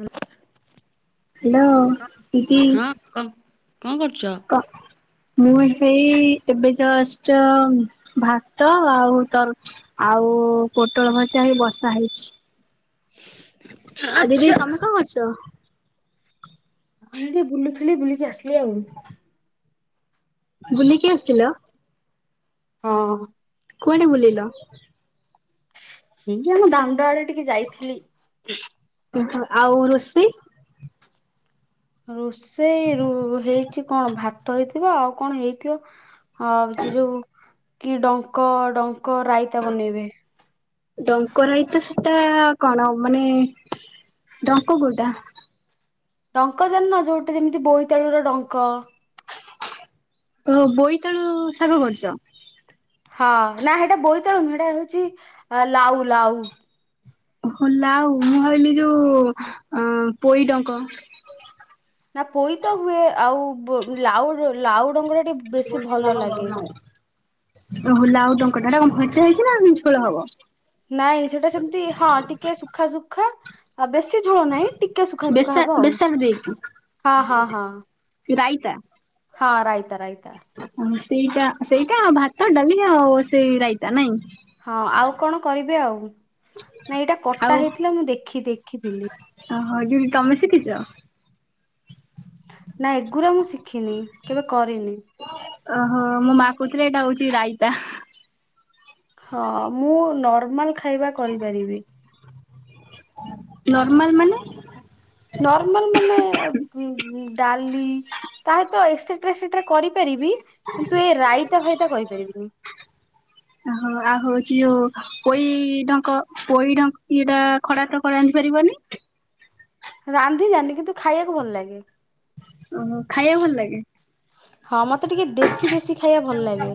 ହୁଁ। ହାଲୋ ଦିଦି। କ କଣ କରୁଛ। କ ମୁଁ ହେଇ ଏବେ ଜଷ୍ଟ ଭାତ ଆଉ ତର ଆଉ ପୋଟଳ ଭଜା ହେଇ ବସା ହେଇଛି। ର ଆ ଦିଦି ତମେ କଁ କରଚ? ହଁ ଏଇଠି ବୁଲୁଥିଲି ବୁଲିକି ଆସିଲି ଆଉ। ବୁଲିକି ଆସଥିଲ। ହଁ। କୁଆଡେ ବୁଲିଲ? ଏଇ ଆମ ଦାମଣ୍ଡ ଆଡ଼େ ଟିକେ ଯାଇଥିଲି। ଆଉ ରୋଷେଇ ରୋଷ୍ ସେଇ ରୁ ହେଇ କିଛି କଣ ଭାତ ହେଇଥିବ ଆଉ କଣ ହେଇଥିବ। ହଁ ସେ ଯୋଉ କି ଡଙ୍କ ଡ ଙ୍କ ରାଇତା ବନେଇବେ। ଡଙ୍କ ରାଇତା ସେଟା କଣ ମାନେ ଡଙ୍କ କୋଉଟା? ଡଙ୍କ ଜାଣିନ ଯୋଉଟେ ଯେମିତି ବୋଇତାଳର ଡଙ୍କ। ଓ ବୋଇତାଳୁ ଶାଗ କରୁଚ? ହଁ ନାଁ ହେଟା ବୋଇତଳୁ ନୁହଁ ହେଟା ହୋଉଚି ଆ ଲାଉ ଲାଉ। ହଁ ଲାଉ ମୁଁ ଭାବିଲି ଏଇ ଯୋଉ ଅ ପୋଇ ଡଙ୍କ। ନାଁ ପୋଇ ତ ହୁଏ ଆଉ ବୋ ଲାଉ ଲାଉ‌ ଡଙ୍କଟା ଟିକେ ବେଶୀ ଭଲ ଲାଗେ। ଓହ‌‌ ଲାଉ ଡ କଟା କଣ ଭଯା ହେଇଚି ନାଁ ଝୋଳୋ ହବ? ନାଇଁ ସେଟା ସେମତି ହଁ ଟିକେ ସୁଖା ସୁୁଖା ଆଉ ବେଶୀ ଝୋଳ ନାଇଁ ଟିକେ ସୁଖା ସୁୁଖା ବେସା ହବ ଆଉ ବେସର ଦେଇକି ହଁ ହଁ ହଁ। ରାଇତା ହଁ ରାଇ ତା ରାଇତା। ସେଇଟା ସେଇଟା ଭାତ ଡାଲି ଆଉ ସେଇ ରାଇତା ନାଇଁ। ହଁ ଆଉ କଣ କରିବେ ଆଉ। ନାଁ ଏଇଟା ଆଉ କଟା ହେଇଥିଲା ମୁଁ ଦେଖି ଦେଖିଥିଲି। ହଁ ଦିଦି ତମେ ଶିକିଚ? ନାଁ ଏଗୁରା ମୁଁ ଶି ଖିନି କେବେ କରିନି। ଅହ ମୋ ମା କୋହୁଥୁଲେ ଏଇଟା ହୋଉଚି ରାଇତା। ହଁ ମୁଁ ନର୍ମାଲ ଖାଇବା କରିପାରିବି। ନର୍ମାଲ ମାନେ ନର୍ମାଲ ମାନେ ଉଁ, ଡାଲି ତା ସହିତ ଏକ୍ସଟ୍ରା ସେଟାରେ କରିପାରିବି କିନ୍ତୁ ଏ ରାଇ ଫତା ଫାଇତା କରିପାରିବିନି। ଓହୋ ଆଉ ହଉଛି ଯୋଉ ପୋଇ ଢଙ୍କ ପୋଇ ଢଙ୍କ ଇଏଟା କଡ଼ା ତ ରାଦ୍ଦିପାରିବନି? ରାନ୍ଧି ଜାନି କିନ୍ତୁ ଖାଇବାକୁ ଭଲ ଲାଗେ। ଓହୋ ଖାଇବା ଭଲ ଲାଗେ। ହଁ ମତେ ଟିକେ ଦେଶୀ ଦେଶୀ ଖାଇବା ଭଲ ଲାଗେ।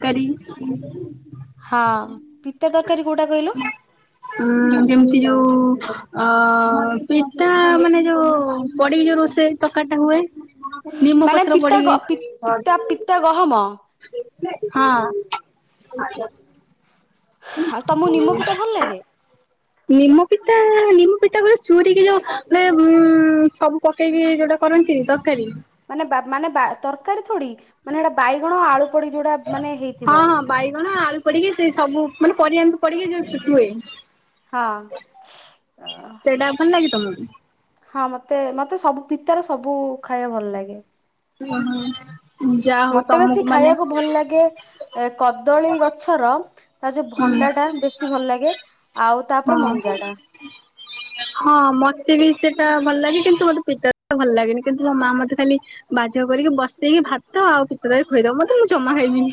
ତକାରି ହଁ ପିତା ତରକାରୀ କୋଉଟା କହିଲୁ ଉଁ ଯେମିତି ଯୋଉ ଅ ପି ସେଟା ମାନେ ଯୋଉ ପଡିକି ଯୋଉ ରୋଷେଇ ତକାରୀ ଟା ହୁଏ। ନିମ ମାନେ ପତ୍ର ପିତା ପଡିକି ପିତା ପିତା ଗହମ। ହଁ। ଆଉ ତମ ନିମ ପିତା ଭଲ ଲାଗେ। ନିମ ପିତା ନିମ ପିତା କ ଯୋଉ ଚୁରୁରୀିକ ଯୋଉ ମାନେ ଉଁ ସବୁ ପକେଇକି ଯୋଉଟା କରନ୍ତିନି ଦରକାରୀ ମାନେ ବା ମାନେ ବା ତରକାରୀ ଥୋଡ଼ି ମାନେ ହେଡ଼ା ବାଇଗଣ ଆଳୁ ପଡ଼ି ଯୋଉଟା ମାନେ ହଁ ହେଇଥିବ। ହଁ ବାଇଗଣ ଆଳୁ ପଡିକି ସେ ସବୁ ମାନେ ପରିବା ଏମିତି ପଡ଼ିକି ଯୋଉ ହୁଏ। ହଁ। ସେଇଟା ଭଲ ଲାଗେ ତମକୁ? ହଁ ମତେ ମତେ ସବୁ ପିତାର ସବୁ ଖାଇବା ଭଲ ଲାଗେ। ଓ ହଁ ଯା ହଉ ମତେ ବେଶୀ ତମକୁ ମାନେ ଖାଇବାକୁ ଭଲ ଲାଗେ ଏ କଦଳୀ ଗଛର ତା ଯୋଉ ହୁଁ ଭଣ୍ଡା ଟା ବେଶୀ ବେଶୀ ଭଲ ଲାଗେ ଆଉ ତାପରେ ହଁ ମଞ୍ଜାଟା। ହଁ ମତେ ବି ସେଇଟା ଭଲ ଲାଗେ କିନ୍ତୁ ମତେ ପିତାଦାର ଭଲ ଲାଗେନି କିନ୍ତୁ ମୋ ମା ମତେ ଖାଲି ବାଧ୍ୟ କରିକି ବସେଇକି ଭାତ ଆଉ ପିତାଦାର ଖୋଇଦବ ମତେ ମୁଁ ଜମା ଖାଇବିନି।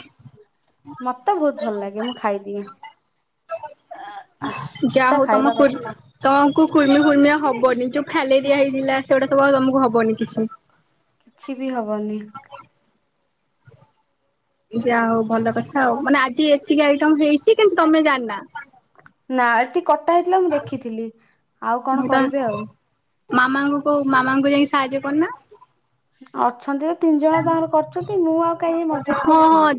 ମତେ ବହୁତ ଭଲ ଲାଗେ ମୁଁ ଖାଇଦିଏ। ଯାହା ପିତା ହଉ ତମ ଖାଇବା କୁ କଥା। ତମକୁ କୁର୍ମି ଫୁର୍ମି ଆଉ ହବନି ଯୋଉ କି ଫାଇଲେରିଆ ହେଇଥିଲା ସେଗୁଡ଼ା ସବୁ ଆଉ ତମକୁ ହବ ହବନି କିଛି। କିଛି ବି ହବନି। ଯା ହଉ ଭଲ କଥା ଆଉ ମାନେ ଆଜି ଏତିକି ଆଇଟମ ହେଇଛି କିନ୍ତୁ ତମେ ଜାଣିନା। ନାଁ ଏତିକି କଟା ହେଇଥିଲା ମୁଁ ଦେଖିଥିଲି। ଆଉ ମୁଁ କଣ ତ କରିବେ ଆଉ। ମାମାଙ୍କୁ କୋଉ ମାମାଙ୍କୁ ଯାଇକି ସାହାଯ୍ୟ କରୁନା। ଅଛନ୍ତି ତ ତିନି ଜଣ ତାଙ୍କର କରିଚନ୍ତି ମୁଁ ଆଉ କାଇଁ ଯାଇ ମଝିରେ ପଶିବି।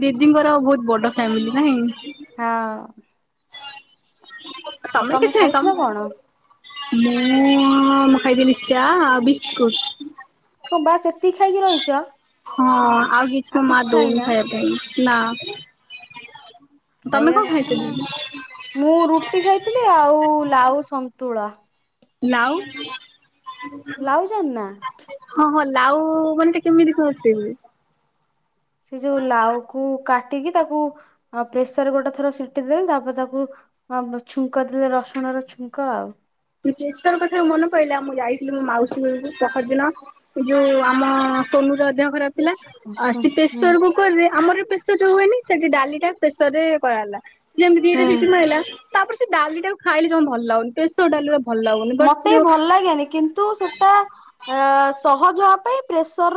ବଡ଼ ଫ୍ୟାମିଲି ନାହିଁ। ହଁ। ଆଉ ତମେ କିଛି ନାଇଁ ଖାଇଥିଲ ତମେ କଣ? ମୁଁ ଉଁ ମୁଁ ଖାଇଥିଲି ଚା ଆଉ ବିସ୍କୁଟ। କ ବାସ ଏ ହଁ ଆଉ କିଛି ମୋ ମା ଦଉନି ଖାଇବା ପାଇଁ। ନା। ତମେ ଖାଇବା କଣ ଖାଇଛ କଥା ନା ଦିଦି? ଆଉ। ମୁଁ ରୁଟି ଖାଇଥିଲି ଆଉ ଲାଉ ସନ୍ତୁଳା। ଲାଉ ଲାଉ ଜାଣିନା? ହଁ ହଲା ଲାଉ ମାନେ ଟିକେ କେମିତି କଣ ସିଏ? ସେ ଯୋଉ ଲାଉକୁ କାଟିକି ତାକୁ ପ୍ରେସର ଗୋଟେ ଥର ସିଟି ଦେଲେ ତାପରେ ତାକୁ ଛୁଙ୍କ ଦେଲେ ରସୁଣର ଛୁଙ୍କ ଆଉ। ପୁଣି ପ୍ରେସର ମାନ ଥରେ ମନେ ପଇଲା ମୁଁ ଯାଇଥିଲି ମୋ ମାଉସୀ ଘରକୁ ପହର ଦିନ ଯୋଉ ଆମ ସୋନୁର ଦେହ ଖରାପ ଥିଲା ଆଉ ହୁଁ ସେ ପ୍ରେସର କୁକରରେ ଆମର ପ୍ରେସରରେ ହୁଏନି। ସେଠି ଡାଲିଟା ପ୍ରେସରରେ କରାହେଲା ସେ ଯେମିତି ଦିଟା ହୁଁ। ସିଟି ମାଇଲା ତାପରେ ସେ ଡାଲି ଟାକୁ ଖାଇଲେ ଜମ ଭଲ ଲାଗୁନି। ଟେଷ୍ଟ [unintelligible] ମତେ ବି ଭଲ ଲାଗେନି କିନ୍ତୁ ସେଟା ଅ ସହଜ ହେବା ପାଇଁ ପ୍ରେସର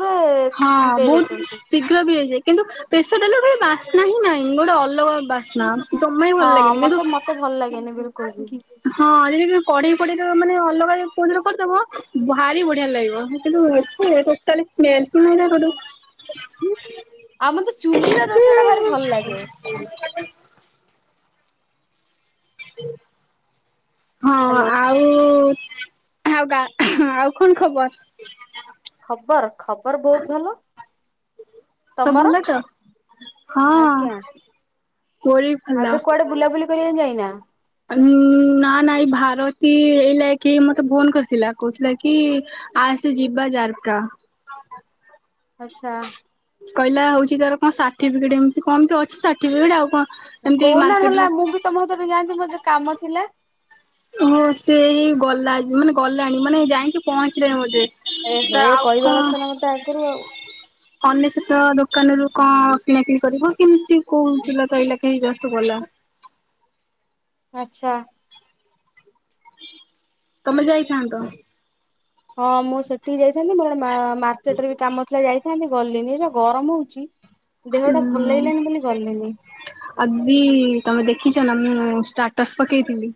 ହଁ ବହୁତ ଶୀଘ୍ର ବି ହେଇଯାଏ। କିନ୍ତୁ ପ୍ରେସର ଡାଲ ଗୋଟେ ବାସ୍ନା ହିଁ ନାଇଁ ଗୋଟେ ଅଲଗା ବାସ୍ନା। ଜମା ବି ଭଲ ହଁ ଲାଗେନି ମତେ କିନ୍ତୁ ମତେ ଭଲ ଲାଗେନି ବିଲ ହଁ ଯଦି କଢେଇ ପ ମନେ ଅଲଗା କରିଦବ ଭାରି ବଢିଆ ଲାଗିବ। କିନ୍ତୁ ଏଥିରେ ଟୋଟାଲ ସ୍ମେଲ ଫେଲ୍ ଆଉ ମତେ ଚୁଲିର ରୋଶେଇ ଟା ଭାରି ଭଲ ଲାଗେ। [inaudible] ହଁ ହ୍ୟାଲୋ ଆଉ ଆଉଗା ଆଉ କଣ ଖବର? ଖବର ଖବର ବହୁତ ଭଲ। ସବୁ ତମର? ଭଲ ତ? ହଁ। ମୋର ବି ଭଲ। ଆ ଏବେ କୁଆଡେ ବୁଲାବୁଲି କରିବାକୁ ଯାଇନା [inaudible] ନା ନା ଏଇ ଭାରତୀ ଏଇ ଲାଗି ମତେ ଫୋନ କରିଥିଲା କହୁଥିଲା କି ଆସ ଯିବା ଜାରକା ଆଛା। କହିଲା ହଉଛି ତାର କଣ ସାର୍ଟିଫିକେଟ ଏମିତି କମ ଅଛି ସାର୍ଟିଫିକେଟ ଆଉ କଣ? ଏମିତି କୋଉନା ହେଲା ମାର୍କେଟରୁ ମୁଁ ବି ତମ ହାତ ଯାଆନ୍ତି ମୋର ଯ କାମ ଥିଲା। ଓ ସେ ଗଲା ମାନେ ଗଲାଣି ମାନେ ଯାଇକି ପହଞ୍ଚିଲେଣି ମୋତେ ଏ ହେ କହିବା କଥା ନା ମତେ ଆଗରୁ ଆଉ ଅନ୍ୟେଶତ ଦୋକାନର ରୁ କଣ? କିଣାକି କରିବ କେମିତି କୋଉଥିଲା ତ ଏଇ ଲକେ ହେଇ ସେ ଗଲା ଆଛା। ତମେ ଯାଇଥାନ୍ତ ହଁ ମୁଁ ସେଠିକି ଯାଇଥାନ୍ତି ମୋର ମା ମାର୍କେଟରେ ବି କାମ ଥିଲା ଯାଇଥାନ୍ତି ଗଲିନି ଗରମ ହଉଛି। ହୁଁ ଦେହଟା ଭଲ ଲାଗିଲାନି ବୋଲି ଗଲିନି ଆଦି ତମେ ଦେଖ ଦେଖଛ ନା ମୁଁ ଷ୍ଟାଟସ୍ ପକେଇଥିଲି।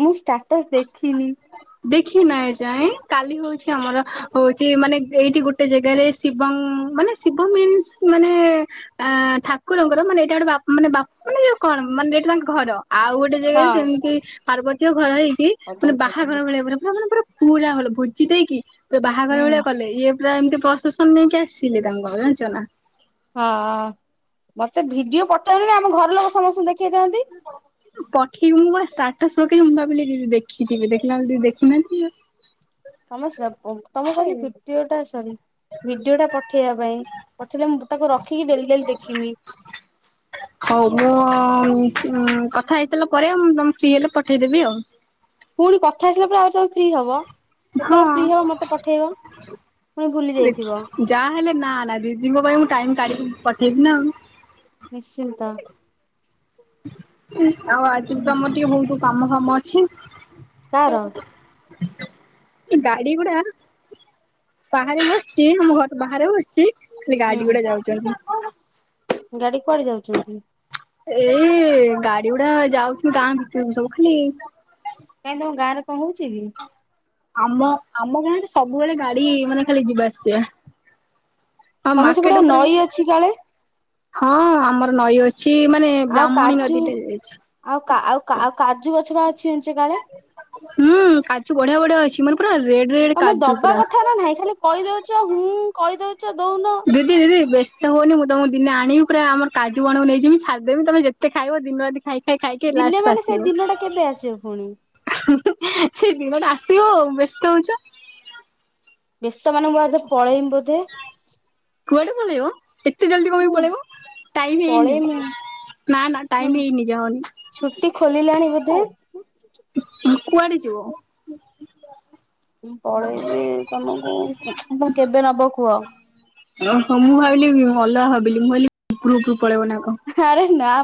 ମୁଁ ଷ୍ଟାଟସ ଦେଖିନି। ଦେଖି ନାଁ ଏଯାଏଁ କାଲି ହୋଉଚି ଆମର ହୋଉଚି ମାନେ ଏଇଠି ଗୋଟେ ଜେଗାରେ ଶିବଂ ମାନେ ଶିବ ମିନ୍ସ ମାନେ ଆଁ ଠାକୁରଙ୍କର ମାନେ ଏଇଟା ଗୋଟେ ବା ମାନେ ବା ମାନେ ଯୋଉ କଣ ମାନେ ଏଇଟା ତାଙ୍କ ଘର। ଆଉ ଗୋଟେ ଜେଗାରେ ହଁ। ସେମତି ପାର୍ବତୀୟ ଘର ହେଇଚି। ମାନେ କଦଳୀ ଖାଇଥିଲି ବାହାଘର ଭଳିଆ ପୁରା ମାନେ ପୁରା ପୁରା ହଲ ଭୁଜିି ଦେଇକି ପୁରା ବାହାଘର ଭଳିଆ ହୁଁ। କଲେ ଇଏ ପୁରା ଏମତି ବସ୍ ତୋ ସ୍ବାମୀକି ଆସ୍ ସିଲି ତାଙ୍କ ଘ ଜଣିଚ ନାଁ? ହଁ। ମତେ ଭିଡିଓ ପଠେଇଲୁନେଇ ଆମ ଘର ଲୋକ ସମସ୍ତଙ୍କୁ ଦେଖେଇଥାନ୍ତି। ପଠେଇବୁ ମୁଁ କଁ ଷ୍ଟାଟସ ରଖେକି ମୁଁ ଭାବିଲି ଯିବି ଦେଖି ଇକିବି ଦେଖିଲା ଓଳୁକୁ ଟିଏ ଦେଖିନାହାନ୍ତି ଆଉ। ସମସ୍ୟା ଅ ତମୁକୁ କହିଲି ପିତିଓଟା ସରି ଭିଡିଓଟା ପଠେଇବା ପାଇଁ ପଠେଇଲେ ମୁଁ ତ ତାକୁ ରଖିକି ଡେଲି ଡେଲି ଦେଖିମି। ହଉ ତେଲା ପରେ ଆଁ ମୁଁ ତମ ଫ୍ରୀ ହେଲେ ପଠେଇଦେବି ଆଉ। ପୁଣି କଥା ହେଇସାଇଲା ପରେ ଆହୁରି ତମେ ଫ୍ରି ହବ? କେତୋଳେ ଫ୍ରି ହବ ମତେ ପଠେଇବ? ପୁଣି ଭୁଲି ଯାଇଥିବ ଦେଖ୍ ଯାହା ହେଲେ ନାଁ ନାଁ ଦିଦିଙ୍କ ପାଇଁ ମୁଁ ଟାଇମ୍ ତାଡ଼ିିକ ପଠେଇବି ନାଁ ଆଉ। ନିଶ୍ଚିନ୍ତ। ଆଉ ଆଜି ବି ତମର ଟିକେ ବୋହୁତୁ କାମ ହଁ ମ ଅଛି। କାର ଏ ଗାଡ଼ି ଗୁଡ଼ା ବାହାରେ ବସଚି ଆମ ଘରଳଠୁ ବାହାରେ ବସଚି ଖାଲି ଗାଡ଼ି ଗୁଡ଼ା ଯାଉଚନ୍ତି। ଗାଡ଼ି କୁଆଡ଼େ ଯାଉଚନ୍ତି? ଏଇ ଗାଡ଼ିଉଡ଼ା ଯାଉଚ୍ ଗାଁ ଭିତୁରୁକୁ ସବୁ ଖାଲି କ ହଉଚି କି? ଆମ ଆମ ଗାଁରେ ସବୁବେଳେ ଗାଡ଼ି ମାନେ ଖାଲି ଯିବା ଆସିବା। ଆଉ ତମ ମାର୍କେଟ ସେପଟ ଉପରେ ନଈ ଅଛି କାଳେ? ହଁ ଆମର ନଈ ଅ ଛି ମାନେ ଆଉ ବ୍ରାହ୍ମଣୀ କାଜୁ ନଦୀଟା ଯାଇଛି। ଛ ବା ଜାଣିଛ କାଳେ ହୁଁ କାଜୁ ବଢ଼ିଆ ବଢ଼ିଆ ଅଛି। ଚୁ ମାନ ପୁରା ରେଡ ରେଡ ତମେ କାଜୁ ଦବା ପୁରା। କଥା ନାଁ ନାହିଁ ଖାଲି କହି ଦଉଚ ହୁଁ। କହିଦୋଉ ଦିଦି ଦିଦି ତ ହଉନି ମୁଁ ତମକୁ ଦିନ ଆଣିମି ପୁରା ଆମ କାଜୁ ବଣ ନେଇଯିବି ଛାଦେବି ତମେ ଜେତେ ଖାଇବ ଦିନ ରା ଦିନେ ମାନେ ସେଇ ଦିନ ଟା କେବେ ଆସିବ ପୁଣି? ସେ ଦିନଟା ଆସିବ ଆଉ ବ୍ୟସ୍ତ ହଉଚ। ବ୍ୟସ୍ତ ମାନଙ୍କୁ ଆ ପଳେଇମି ବୋଧେ କୁଆଡେ ପଳେଇବ? ଏତେ ଜଲଦି କଣପାଇଁ ମୁଁ ପଳେଇବ ଟାଇମ ହେଇନି ପଳେଇମି ନା ନା ଟାଇମ ହେଇନି ଯାଅନି। ଛୁଟି [unintelligible] କୁଆଡେ ଯିବ? ମୁଁ ପଳେଇବି ତମକୁ କେବେ ନବ କୁହ? ଭଲ ଭାବିଲି ବୋଲିି ମୁଁ କହିଲି [unintelligible] ପଳେଇବ ନା କ ଆ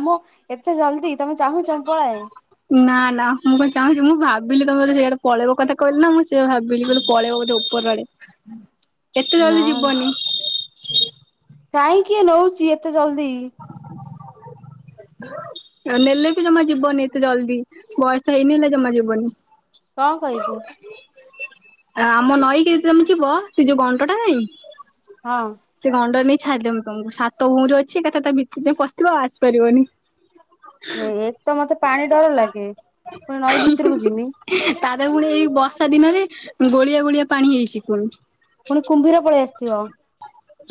ଏତେ ଜଲଦି ତମେ ଚାହୁଁଛ ମୁଁ ପଳାଏ ନା ନା ମୁଁ କଣ ଚାହୁଁଚି ମୁଁ ଭାବି ଭାବିଲି ତମେ ବୋଧେ ସିଆଡେ ପଳେଇବ କଥା କହିଲେ ନା ମୁଁ ସେ ଭାବିଲି କହିଲେ ପଳେଇବ ବୋଧେ ଉପର ଆଡେ କେତେ ନା ଜଲଦି ଯିବନି। [inaudible] କାଇଁ କିଏ ନଉଚି ଏତେ ଜଲଦି ନେଲେ ବି ଜମା ଯିବନି ଏତେ ଜଲଦି ବୟସ ହେଇନି ନେଲେ ଜମା ଯିବନି। କଣ କହିବୁ? ଆମ ନଈକି ତମେ ଯିବ ସେ ଯୋଉ କଣ ଟୋଟାଲ୍ ନାହିଁ। ହ ସେ କଣ ଡରେଇ? ଛାଡି ଦେମି ତମୁକୁ ସାତ ଭଉଣୀରେ ଅଛି ଏକାଥେରେ ତାକୁ ବିକି ଦିଅ ପସିଥିବ ଆଉ ଆସିପାରିବନି। ଏକ ତ ମତେ ପାଣି ଡର ଲାଗେ ପୁଣି ନଈ ଭିତୁରୁକୁ ଯିମି। ତା ଦେହେରେ ପୁଣି ଏଇ ବର୍ଷା ଦିନରେ ଗୋଳିଆ ଗୋଳିଆ ପାଣି ହେଇଛି ପୁଣି। ପୁଣି କୁମ୍ଭୀର ପଳେଇ ଆସିଥିବ।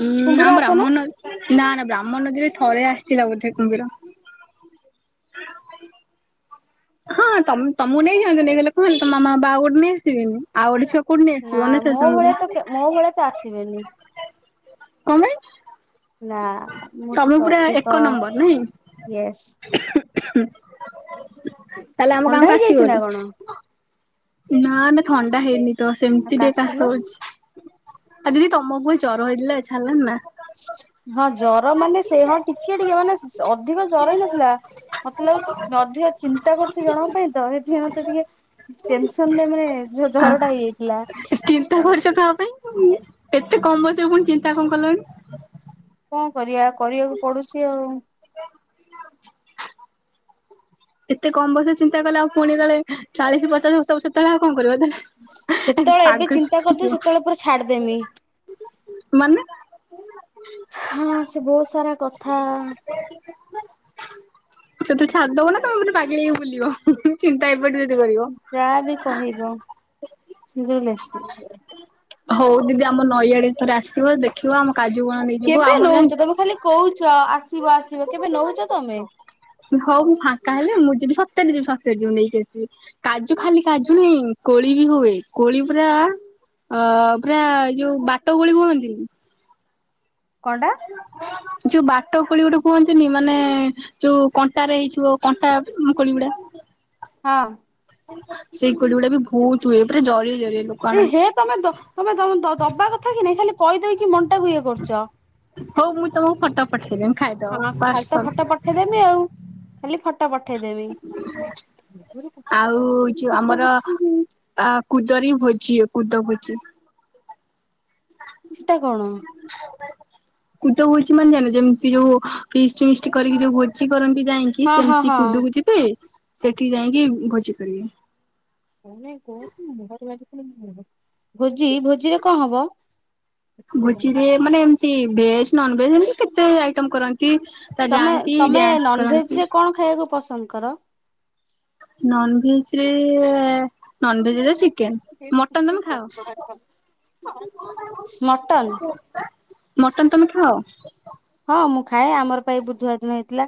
ହୁଁ କୁମ୍ଭୀର ଆମ ଆସେ ନା? ରାମନ ଅ ନା ନା ବ୍ରାହ୍ମଣୀ ନଦୀରେ ଥରେ ଆସିଥିଲା ବୋଧେ କୁମ୍ଭୀର। ହ ହଁ ତମ ତମକୁ ନେଇଯାଆନ୍ତୁ। ନେଇଗଲେ କଁ ହେଲା ତମ ମାମ ବାବା ଆଉ ଗୋଟେ ନେଇ ଆସିବେନି। ଆଉ ଗୋଟେ ଛୁଆକୁ। ନା ମୋ ଭଳିଆ ତ ମୋ ଭଳିଆ ତ ଆସିବେନି। କ ମାଇଁ। ନା ମୁଁ ଟିକେ ଅଧିକ ୟେସ୍। ଖୁଁ। ତାହେଲେ ଆମ ଗାଁ ଥଣ୍ଡା କୁ ହେଇଯାଇଛି ନା ଆସିବନି। କଣ? ନାଁ ନାଁ ଥଣ୍ଡା ହେଇନି। ତ ଆଉ ସେମିତି ଟିକେ କାଶ କାଶିଲ ହଉଛି ଆଉ ଦିଦି ତମକୁ ଜର ହେଇଥିଲା ଛାଡିଲାଣି ନା? ହଁ ଜର ମାନେ ସେ ହଁ ଟିକେ ଟିକେ ମାନେ ସେ ଅଧିକ ଜର ହିଁ ନଥିଲା ମତେ ଲାଗୁଛି ଅଧିକ ଚିନ୍ତା କରୁଛି ଜଣଙ୍କ ପାଇଁ ତ ସେଥିପାଇଁ ମତେ ଟିକେ ଟେନସନ୍ ରେ ମାନେ ଝର ଆ ଜରଟା ହେଇଯାଇଥିଲା ଚିନ୍ତା ହଉ। କରୁଛ କାହା ପାଇଁ? ଏତେ କମ୍ ବୟସରେ ପୁଣି ଚିନ୍ତା କଣ କଲଣି। କ କରିବା। କରିବାକୁ ପଡୁଛି ଆଉ। [unintelligible] ଏତେ କମ୍ ବୟସରୁ ଚିନ୍ତା କଲେ ଆଉ ପୁଣି କାଳେ ଚାଳିଶ ପଚାଶ ବର୍ଷ ହବ ସେତେବେଳେ ଆଉ କଣ କରିବ ଏବେ ସେତବେଳେ ଏବେ ଚିନ୍ତା କରିଦେବି ସେତେବେଳେ ପୁରା ଛାଡି ଦେମି। ମାନେ କରିଆ କଥା। ସେ ଟୋଟାଲ୍ ଛାଡି ଦବନା କଣ ମାନେ ପାଗେଳି ହେଇ ବୁଲିବ। ହୁମ ତୁମ ଚିନ୍ତା ହେଇପଡିିବ। ଯାହା ବି କହିବ ଯୋଉ ମେସେଜ ହୋଉ ଦିଦି ଆମ ନଈଆଡେ ଥରେ ଆସିବ ଦେଖିବ ଆମ କାଜୁ ବଣକୁ ନେଇଯିବ ଆମର ଯାନଚୁ କହୁଚ ଆ ଆସିବ ଆସିବ କେବେ ନୋଉଚ ତମେ ହଉ ମୁଁ ଫାଙ୍କା ହେଲେ ମୁଁ ଯିବି ସତରେ ଯିବି ସତରେ ଯିବ ନେଇକି ଆସିବି କାଜୁ ଖାଲି କାଜୁ ନାହିଁ କୋଳି ବି ହୁଏ କୋଳି ପୁରା ଅ ପୁରା ଯୋଉ ବାଟ କୋଳି କୁହନ୍ତି। କଣଟା? ଯୋଉ ବାଟ କୋଳି ଗୋଟେ କୁହନ୍ତିନି ମାନେ ଯୋଉ କଣ୍ଟା ହେଇଥିବ କଣ୍ଟା କୋଳି ଗୁଡା ହଁ। ସେଇ କୋଳି ଗୁଡା ବି ବହୁତ ହୁଏ ପୁରା ଜରିଏ। ଜରିଏ ଲୋକ ଏହେ ଆଣନ୍ତି। ତମେ ଦ ତମେ ଦ ଦ ଦବା କଥା କି ନାଇଁ କହିଦେଇକି ମନଟାକୁ ଇଏ କରୁଚ। ହଉ ମୁଁ ତମକୁ ଫଠ ପଠେଇ ହଁ ଖାଲି ତ ଫଟୋ ପଠେଇଦେବି ଆଉ ଖାଲି ଫ ଫଟ ପଠେଇଦେବି ଆଉ ଫଟ ପଠେଇବି କୁଦରେ ଭୋଜି ହୁଏ କୁଦ ଭୋଜି। ସେଟା କଣ? କୁଦ ଭୋଜି ମାନେ ଯାଣିନ ଯେମିତି ଯୋଉ ଫିଷ୍ଟ ମିଟି କରିକି ଯୋଉ ଭୋଜି କରନ୍ତି ଯାଇକି ହଁ ହଁ ସେମିତି ହଁ। କୁଦୁକୁ ଯିବେ ସେଠି ଯାଇକି ଭୋଜି କରିବେ ଭୋଜି ଭୋଜିରେ କଣ ହବ ବୁଝିବେ ମାନେ ଏମତି ଭେଜ ନନ ଭେଜ ଏମିତି କେତେ ଆଇଟମ କରନ୍ତି ତ ତମେ ଯାଆନ୍ତି ତମେ ଡ୍ୟାନ୍ସ କରନ୍ତି। ନନଭେଜ ରେ କଣ ଖାଇବାକୁ ପସନ୍ଦ କର ନନ୍ ଭେଜ ରେ ନନଭେଜ ରେ ଚିକେନ୍ ମଟନ ତମୁ ଖାଉଛି ମଟନ ମଟନ ତମେ ଖାଅ ହଁ ମୁଁ ଖାଏ ଆମର ପା ଏଇ ବୁଧବାର ଦୀନ ହେଇଥିଲା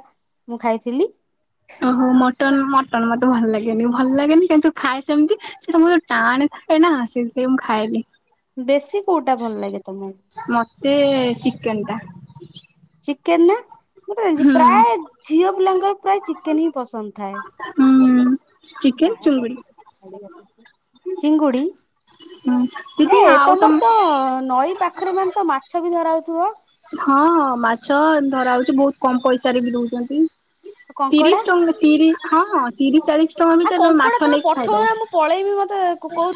ମୁଁ ଖାଇଥିଲି ଓହୋ ମଟନ ମଟନ୍ ମତେ ଭଲ ଲାଗେନି ଭଲ ଲାଗେନି କିନ୍ତୁ ଖାଏ ସେମିତି ସେଟା ପୁରୀ ଟାଣ ଥାଏ ନା ସେଥି ପଇ ମୁଁ ଖାଏନି ବେଶୀ କୋଉଟା ଭଲ ଲାଗେ ତମକୁ ମତେ ଚିକେନ ଟା [inaudible] ଚିକେନ୍ ନା ମୁଁତେ ଜାଣିଛି ହୁଁ। ପ୍ରାୟ ଝିଅ ପିଲାଙ୍କର ପ୍ରାୟ ଚିକେନ ହିଁ ପସନ୍ଦ ଥାଏ ହୁଁ ଚିକେନ ବାହାର ଚିଙ୍ଗୁଡି ଯାଗା କୁ ଛାଡ଼ି ବନି ଚିଙ୍ଗୁଡି ହୁଁ ଦିଦି ଏ ଆଉ ତମର ତମ ତ ନଈ ପାଖରେ ମାନେ ତ ମାଛ ବି ଧରାଉଥିବ? କମ୍ ପଇସାରେ ବି ଦୋଉଚନ୍ତି। କଙ୍କଡା ତିରିଶ ଟଙ୍କା ତିରି ହଁ ତିରିଶ ଚାଳିଶ ଟଙ୍କା ଭିତରେ ମାଛ ନେଇକି ଖାଇଦବ। ତେ କୋ କୋଉ